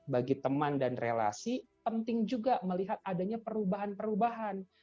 bagi teman dan relasi penting juga melihat adanya perubahan perubahan